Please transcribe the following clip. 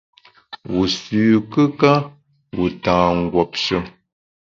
Wu sü kùka, wu ta nguopshe.